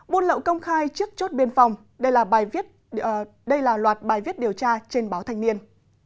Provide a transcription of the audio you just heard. buôn lậu công khai trước chốt biên phòng đây là loạt bài viết điều tra trên báo thanh niên